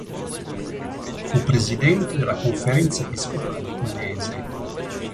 Fu presidente della Conferenza episcopale pugliese.